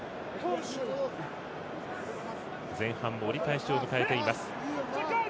前半の折り返しを迎えています。